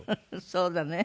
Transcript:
そうだね。